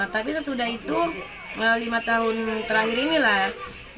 tapi sesudah itu lima tahun terakhir inilah